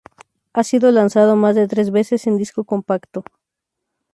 Ha sido lanzado más de tres veces en disco compacto.